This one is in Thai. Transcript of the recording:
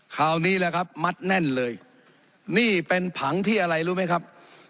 คราวนี้แหละครับมัดแน่นเลยนี่เป็นผังที่อะไรรู้ไหมครับ